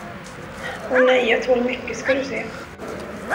Å nej, jag tål mycket, ska du se.